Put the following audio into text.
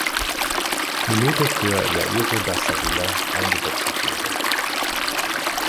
Minute für Jairo da Silva eingewechselt wurde.